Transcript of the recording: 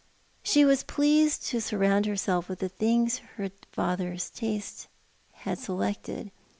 She was pleased to surround herself with the things her father's taste had selected.